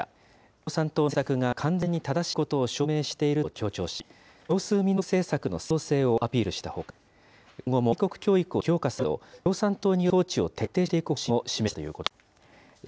共産党の政策が完全に正しいことを証明していると強調し、少数民族政策の正当性をアピールしたほか、今後も愛国教育を強化するなど、共産党による統治を徹底していく方針を示したということです。